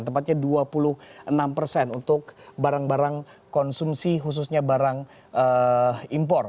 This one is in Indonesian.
tepatnya dua puluh enam persen untuk barang barang konsumsi khususnya barang impor